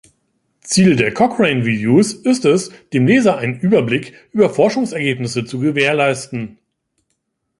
Ziel der Cochrane Reviews ist es, dem Leser einen Überblick über Forschungsergebnisse zu gewährleisten.